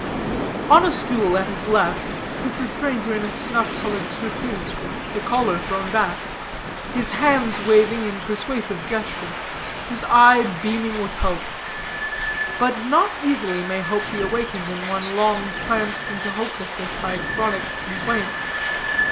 On a stool at his left sits a stranger in a snuff colored surtout, the collar thrown back; his hand waving in persuasive gesture, his eye beaming with hope. But not easily may hope be awakened in one long tranced into hopelessness by a chronic complaint.